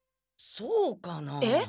そうかなあ？